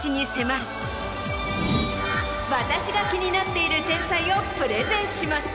私が気になっている天才をプレゼンします。